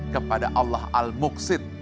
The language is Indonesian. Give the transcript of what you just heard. kepada allah al muqsid